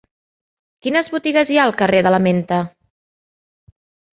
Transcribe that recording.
Quines botigues hi ha al carrer de la Menta?